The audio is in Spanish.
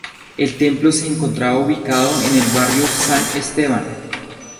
El templo se encontraba ubicado en el barrio San Esteban.